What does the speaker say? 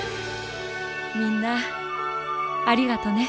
みんなありがとね。